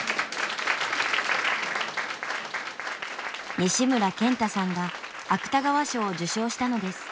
西村賢太さんが芥川賞を受賞したのです。